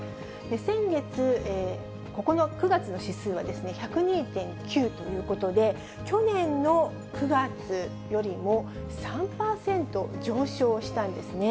先月・９月の指数は１０２．９ということで、去年の９月よりも３％上昇したんですね。